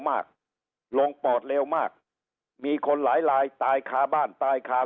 มากลงปอดเร็วมากมีคนหลายลายตายคาบ้านตายคา